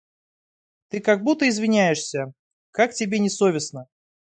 Ты как будто извиняешься; как тебе не совестно.